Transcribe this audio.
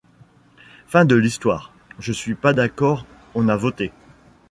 Fin de l’histoire. Je suis pas d’accord, on a voté !